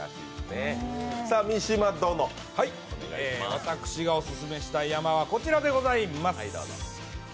私がオススメしたい山はこちらでございます。